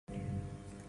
No audio